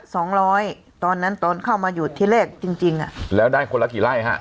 สองร้อยตอนนั้นตอนเข้ามาอยู่ที่แรกจริงจริงอ่ะแล้วได้คนละกี่ไร่ฮะ